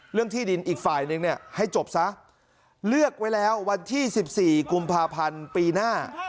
ที่ดินอีกฝ่ายนึงเนี่ยให้จบซะเลือกไว้แล้ววันที่๑๔กุมภาพันธ์ปีหน้า